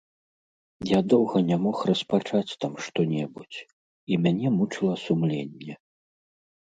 Я доўга не мог распачаць там што-небудзь, і мяне мучыла сумленне.